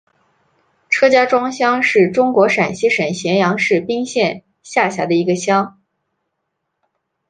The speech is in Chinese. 车家庄乡是中国陕西省咸阳市彬县下辖的一个乡。